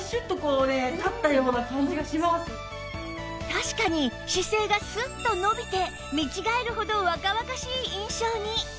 確かに姿勢がスッと伸びて見違えるほど若々しい印象に